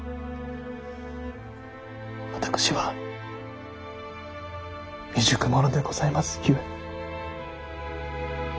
私は未熟者でございますゆえ。